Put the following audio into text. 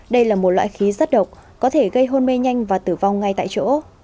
đây là một loại khí rất độc có thể gây hôn mê nhanh và tử vong ngay tại chỗ